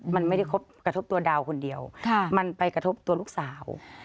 มันไม่ได้กระทบตัวดาวคนเดียวมันไปกระทบตัวลูกสาว